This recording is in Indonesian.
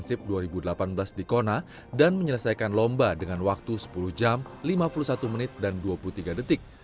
persib dua ribu delapan belas di kona dan menyelesaikan lomba dengan waktu sepuluh jam lima puluh satu menit dan dua puluh tiga detik